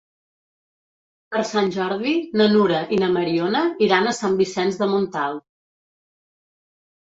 Per Sant Jordi na Nura i na Mariona iran a Sant Vicenç de Montalt.